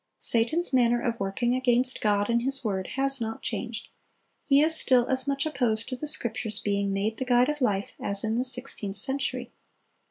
Satan's manner of working against God and His word has not changed; he is still as much opposed to the Scriptures being made the guide of life as in the sixteenth century.